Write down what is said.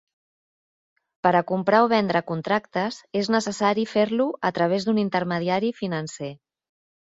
Per a comprar o vendre contractes és necessari fer-lo a través d'un intermediari financer.